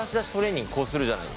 こうするじゃないですか。